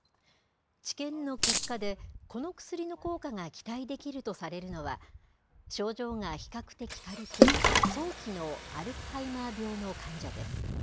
治験の結果で、この薬の効果が期待できるとされるのは、症状が比較的軽く、早期のアルツハイマー病の患者です。